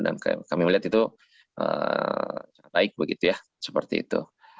dan kami melihat itu baik seperti itu